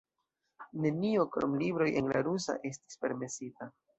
Nenio, krom libroj en la rusa, estis permesita.